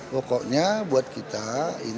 pokoknya buat kita ini nanti